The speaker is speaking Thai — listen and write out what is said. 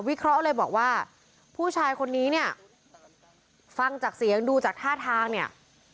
เคราะห์เลยบอกว่าผู้ชายคนนี้เนี่ยฟังจากเสียงดูจากท่าทางเนี่ย